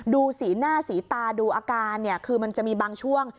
ดูสีหน้าสีตาดูอาการเนี่ยคือมันจะมีบางช่วง